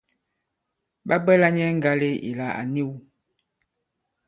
Ɓa bwɛla nyɛ ŋgale ìla à niw.